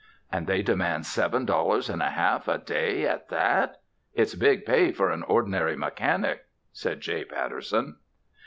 "And they demand seven dollars and a half a day at that? It's big pay for an ordinary mechanic," said J. Patterson.